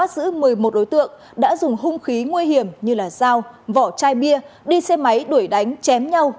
bắt giữ một mươi một đối tượng đã dùng hung khí nguy hiểm như dao vỏ chai bia đi xe máy đuổi đánh chém nhau